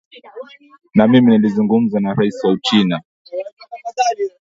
na mimi nilizungumza na rais wa uchina